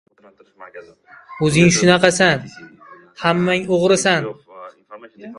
— O‘zing shunaqasan! Hammang o‘g‘risan!